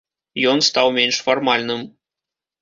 Ён стаў менш фармальным.